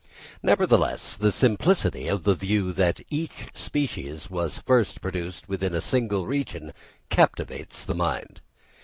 Nevertheless the simplicity of the view that each species was first produced within a single region captivates the mind.